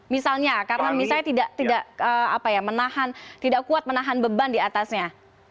misalnya karena misalnya tidak kuat menahan beban di atasnya